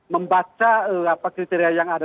membaca kriteria yang ada